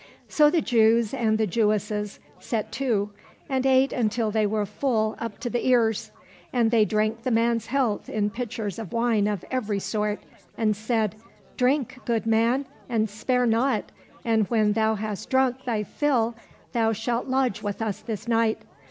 So the Jews and the Jewesses set to and ate until they were full up to the ears ; and they drank the man's health in pitchers of wine of every sort, and said, " Drink, good man, and spare not, and when thou hast drunk thy fill thou shalt lodge with us this night.